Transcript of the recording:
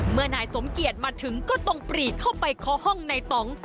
เมื่อนายสมเกียรติมาถึงก็ต้องปรีดเข้าไปคอห้องในตอง